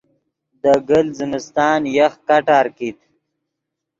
دے گلت زمستان یخ کٹار کیت